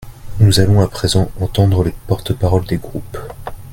Nous allons à présent entendre les porte-parole des groupes.